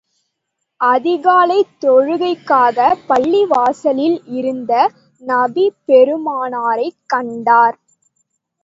அதிகாலைத் தொழுகைக்காகப் பள்ளிவாசலில் இருந்த நபி பெருமானாரைக் கண்டார்.